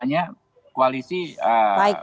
bagi peluang terciptanya